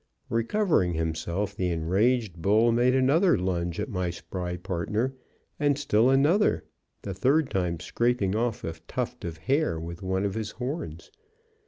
Recovering himself, the enraged bull made another lunge at my spry partner, and still another, the third time scraping off a tuft of hair with one of his horns.